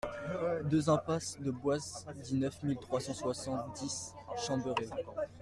deux impasse de Boisse, dix-neuf mille trois cent soixante-dix Chamberet